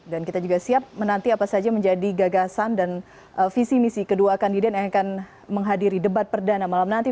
dan kita juga siap menanti apa saja menjadi gagasan dan visi misi kedua kandidat yang akan menghadiri debat perdana malam nanti